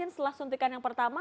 setelah suntikan yang pertama